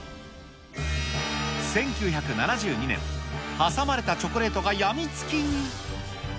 １９７２年、挟まれたチョコレートが病みつきに。